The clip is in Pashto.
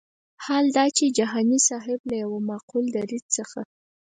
حال دا چې جهاني صاحب له یو معقول دریځ څخه.